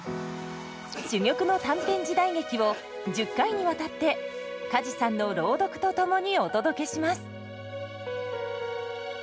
珠玉の短編時代劇を１０回にわたって梶さんの朗読と共にお届けします。